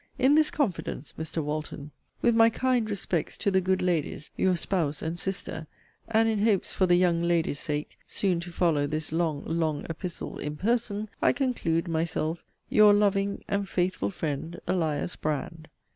In this confidence, (Mr. Walton,) with my 'kind respects' to the good ladies, (your 'spouse' and 'sister,') and in hopes, for the 'young lady's sake,' soon to follow this long, long epistle, in 'person,' I conclude myself, Your loving and faithful friend, ELIAS BRAND.